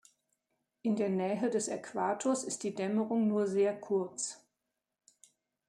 In der Nähe des Äquators ist die Dämmerung nur sehr kurz.